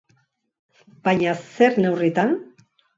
Baina, zer neurritan?